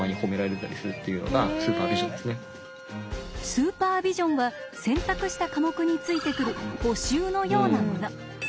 スーパービジョンは選択した科目についてくる補習のようなもの。